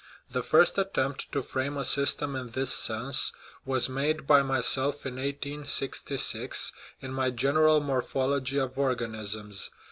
The first attempt to frame a system in this sense was made by myself in 1866, in my General Morphology of Organisms.